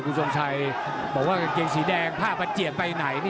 กูสงสัยบอกว่ากางเกงสีแดงผ้าปัจเจียนไปไหน